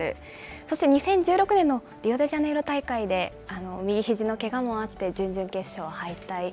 そして２０１６年のリオデジャネイロ大会で右ひじのけがもあって、準々決勝敗退。